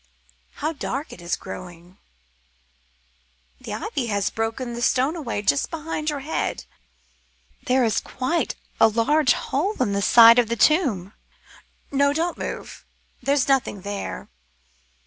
How dark it is growing. The ivy has broken the stone away just behind your head: there is quite a large hole in the side of the tomb. No, don't move, there's nothing there.